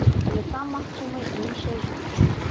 Але там магчымае і іншае жыццё.